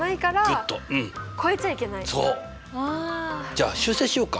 じゃあ修正しようか。